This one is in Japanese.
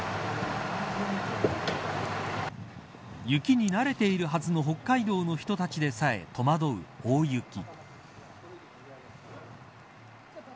雪に慣れているはずの北海道の人たちでさえ戸惑う大雪。